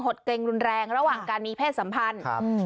ดเกรงรุนแรงระหว่างการมีเพศสัมพันธ์ครับ